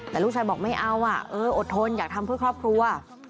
แต่ลูกชายบอกไม่เอาอดทนอยากทำเพื่อครอบครัว